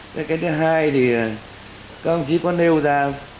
thế cái thứ hai thì các ông chí có nêu ra